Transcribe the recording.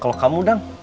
kalau kamu dang